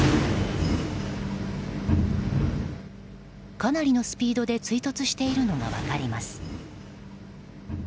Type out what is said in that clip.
かなりのスピードで追突しているのが分かります。